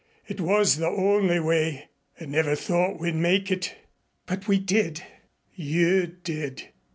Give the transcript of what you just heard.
It was the only way. I never thought we'd make it." "But we did." "You did.